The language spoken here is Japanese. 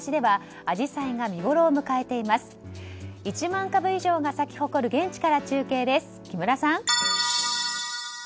１万株以上が咲き誇る現地から中継です、木村さん。